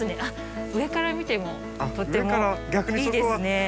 あっ上から見てもとってもいいですね。